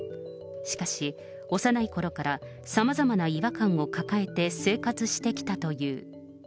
しかし、幼いころからさまざまな違和感を抱えて生活してきたという。